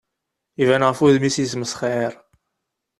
Iban ɣef wudem-is yesmesxir.